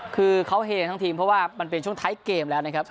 คือเขาเฮทั้งทีมเพราะว่ามันเป็นช่วงท้ายเกมแล้วนะครับ